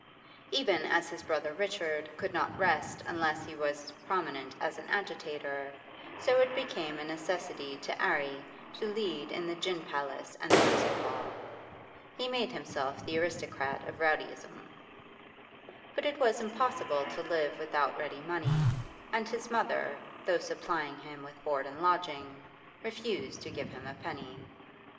Even as his brother Richard could not rest unless he was prominent as an agitator, so it became a necessity to 'Arry to lead in the gin palace and the music hall. He made himself the aristocrat of rowdyism. But it was impossible to live without ready money, and his mother, though supplying him with board and lodging, refused to give him a penny.